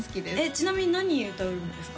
ちなみに何歌うんですか？